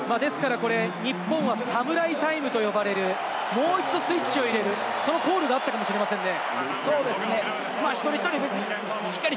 ですから日本はサムライタイムと呼ばれる、もう一度スイッチを入れる、そのコールがあったかもしれませんね。